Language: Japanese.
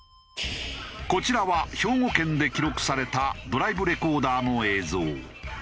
こちらは兵庫県で記録されたドライブレコーダーの映像。